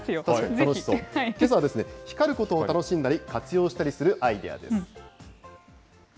けさはですね、光ることを楽しんだり、活用したりするアイデアです。